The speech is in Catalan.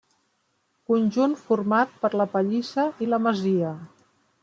Conjunt format per la pallissa i la masia.